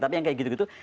tapi yang kayak gitu gitu